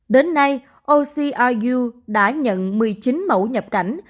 đến nay ocru đã nhận một mươi chín mẫu nhập cảnh